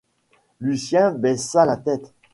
Lucien baissa la tête.